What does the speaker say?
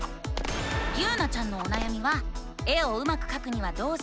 ゆうなちゃんのおなやみは「絵をうまくかくにはどうすればいいの？」